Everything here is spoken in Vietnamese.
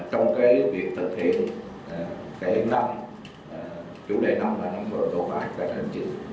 trong việc thực hiện kẻ hình năng chủ đề năng lượng và năng lượng tổ phái